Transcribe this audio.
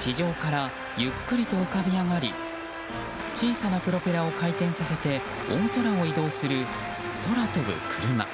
地上からゆっくりと浮かび上がり小さなプロペラを回転させて大空を移動する空飛ぶクルマ。